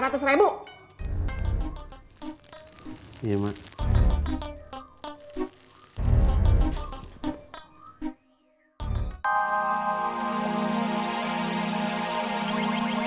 sampai jumpa di video selanjutnya